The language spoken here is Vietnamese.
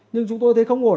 nhưng chúng tôi thấy không ổn